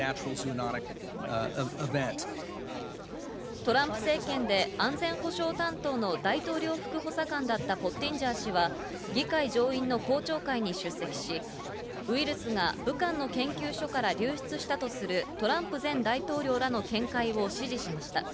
トランプ政権で安全保障担当の大統領副補佐官だったポッティンジャー氏は議会上院の公聴会に出席しウイルスが武漢の研究所から流出したとするトランプ前大統領の見解を支持しました。